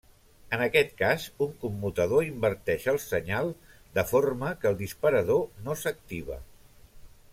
En aquest cas, un commutador inverteix el senyal de forma que el disparador no s'activa.